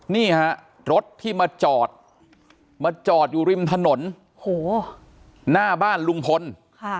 นี่ฮะรถที่มาจอดมาจอดอยู่ริมถนนโอ้โหหน้าบ้านลุงพลค่ะ